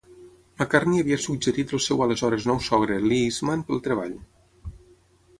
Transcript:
McCartney havia suggerit el seu aleshores nou sogre Lee Eastman pel treball.